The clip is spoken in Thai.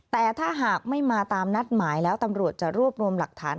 แต่ถ้าหากไม่มาตามนัดหมายแล้วตำรวจจะรวบรวมหลักฐาน